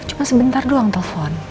cuma sebentar doang telpon